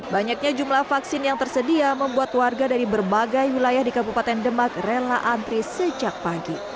banyaknya jumlah vaksin yang tersedia membuat warga dari berbagai wilayah di kabupaten demak rela antri sejak pagi